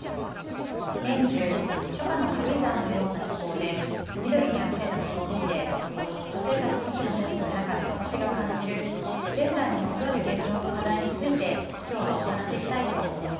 年中初夏の軽井沢のような気候で緑にあふれたこの国で女性たちと仕事をする中で私が感じるジェンダーにまつわる現状と課題について今日はお話ししたいと思います。